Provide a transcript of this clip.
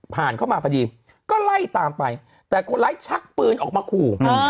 ผ่านเข้ามาพอดีก็ไล่ตามไปแต่คนร้ายชักปืนออกมาขู่